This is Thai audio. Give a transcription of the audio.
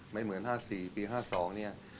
ไม่เหมือน๕๔ปี๕๒เนี่ย